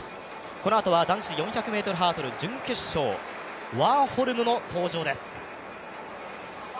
このあとは男子４００ｍハードル準決勝、ワーホルムの登場です。